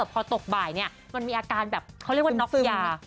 พอตกบ่ายเนี่ยมันมีอาการแบบเขาเรียกว่าน็อกยา